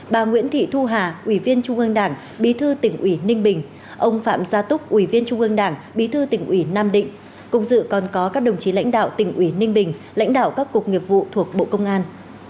bà nguyễn thị thu hà ubnd bí thư tỉnh ubnd ông phạm gia túc ubnd bí thư tỉnh ubnd cùng dự còn có các đồng chí lãnh đạo tỉnh ubnd lãnh đạo các cuộc nghiệp vụ thuộc bộ công an